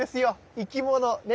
生き物ね